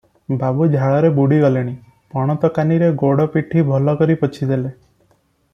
ବାବୁ ଝାଳରେ ବୁଡ଼ି ଗଲେଣି ।’ ପଣନ୍ତକାନିରେ ଗୋଡ଼ ପିଠି ଭଲ କରି ପୋଛି ଦେଲେ ।